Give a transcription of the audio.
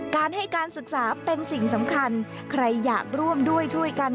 การให้การศึกษาเป็นสิ่งสำคัญใครอยากร่วมด้วยช่วยกัน